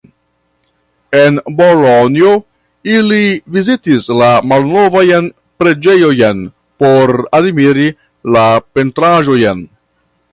En Bolonjo ili vizitis la malnovajn preĝejojn por admiri la pentraĵojn.